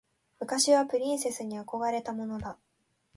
昔はプリンセスに憧れたものだ。